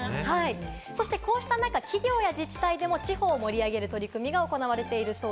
そして、こうした中で企業や自治体でも地方を盛り上げる取り組みが行われています。